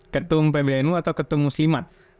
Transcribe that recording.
ketum pblmu atau ketum muslimat